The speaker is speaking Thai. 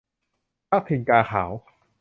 พรรคถิ่นกาขาว